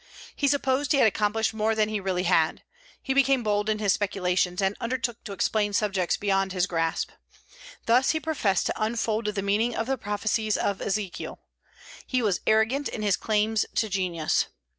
He supposed he had accomplished more than he really had. He became bold in his speculations, and undertook to explain subjects beyond his grasp. Thus he professed to unfold the meaning of the prophecies of Ezekiel. He was arrogant in his claims to genius.